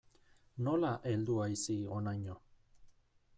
Nola heldu haiz hi honaino?